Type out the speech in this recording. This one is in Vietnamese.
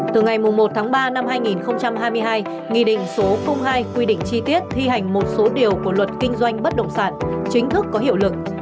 từ ngày một tháng ba năm hai nghìn hai mươi hai nghị định số hai quy định chi tiết thi hành một số điều của luật kinh doanh bất động sản chính thức có hiệu lực